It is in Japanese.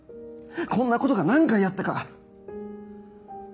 こんなことが何回あったか。